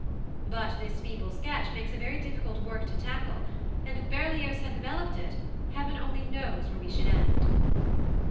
But this "feeble sketch" makes a very difficult work to tackle; and if Berlioz had developed it, Heaven only knows where we should end!